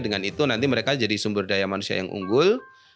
dengan itu nanti mereka jadi sumber daya manusia yang unggul